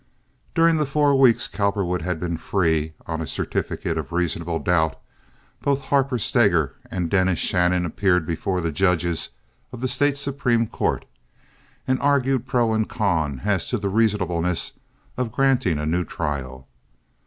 During the four weeks Cowperwood had been free on a certificate of reasonable doubt both Harper Steger and Dennis Shannon appeared before the judges of the State Supreme Court, and argued pro and con as to the reasonableness of granting a new trial.